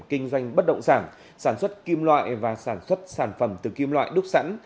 kinh doanh bất động sản sản xuất kim loại và sản xuất sản phẩm từ kim loại đúc sẵn